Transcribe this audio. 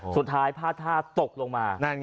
สุดท้ายพลาดท่าตกลงมา